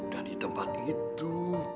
dan di tempat itu